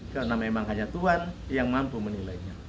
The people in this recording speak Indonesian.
karena memang hanya tuhan yang mampu menilainya